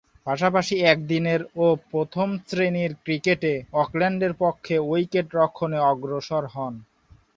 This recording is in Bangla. পাশাপাশি একদিনের ও প্রথম-শ্রেণীর ক্রিকেটে অকল্যান্ডের পক্ষে উইকেট-রক্ষণে অগ্রসর হন।